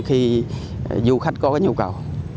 tham quan khi du khách có cái nhu cầu